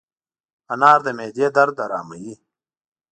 انار د معدې درد اراموي.